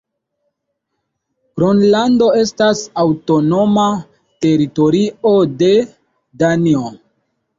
Gronlando estas aŭtonoma teritorio de Danio.